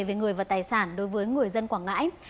về người và tài sản đối với người dân quảng ngãi